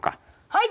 はい！